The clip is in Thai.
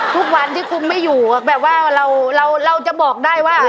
ทุกวันที่คุณไม่อยู่แบบว่าเราจะบอกได้ว่า